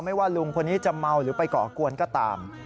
ว่าลุงคนนี้จะเมาหรือไปก่อกวนก็ตาม